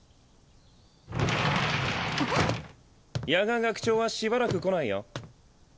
夜蛾学長はしばらく来ないよ。